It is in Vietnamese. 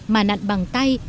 mà nặn bằng tay